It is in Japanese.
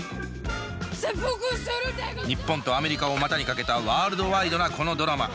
日本とアメリカを股にかけたワールドワイドなこのドラマ。